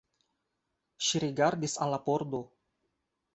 Ŝi rigardis al la pordo.